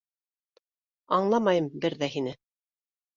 Аңламайым бер ҙә һине.